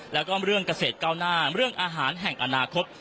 แล้วก็เรื่องเกษตรก้าวหน้าเรื่องอาหารแห่งอนาคต